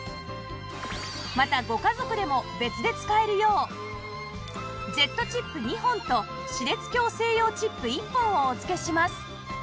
またご家族でも別で使えるようジェットチップ２本と歯列矯正用チップ１本をお付けします